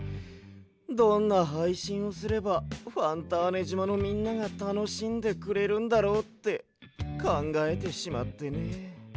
どんなはいしんをすればファンターネじまのみんながたのしんでくれるんだろうってかんがえてしまってね。